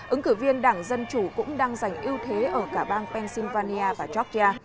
ứng cử viên đảng dân chủ cũng đang giành ưu thế ở cả bang pennsylvania và georgia